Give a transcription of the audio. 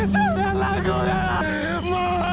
jangan lakukan itu